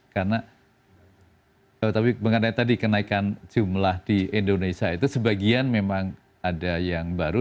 karena tapi mengenai tadi kenaikan jumlah di indonesia itu sebagian memang ada yang baru